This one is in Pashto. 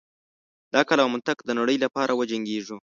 د عقل او منطق د نړۍ لپاره وجنګیږو.